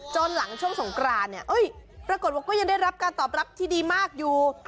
หลังช่วงสงกรานเนี่ยปรากฏว่าก็ยังได้รับการตอบรับที่ดีมากอยู่